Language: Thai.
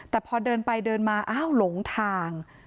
แต่พอเดินไปเดินมาอ้าวหลงทาง